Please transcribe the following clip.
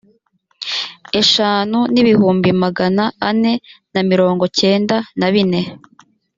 eshanu n’ibihumbi magana ane na mirongo cyenda na bine